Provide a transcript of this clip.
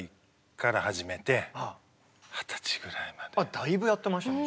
だいぶやってましたね。